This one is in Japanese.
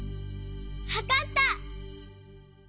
わかった！